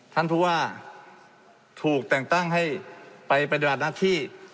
ท่านภูระถูกแต่งตั้งให้ไปประโยชน์หน้าที่